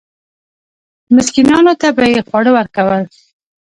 مسکینانو ته به یې خواړه ورکول.